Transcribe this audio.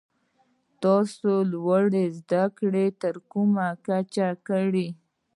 تاسو لوړي زده کړي تر کومه کچه کړي ؟